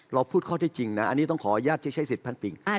เราพูดข้อที่จริงนะอันนี้ต้องขออนุญาตที่ใช้สิทธิพัดปิง